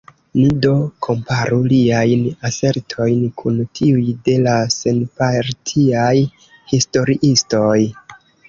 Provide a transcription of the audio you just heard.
Ni do komparu liajn asertojn kun tiuj de la senpartiaj historiistoj.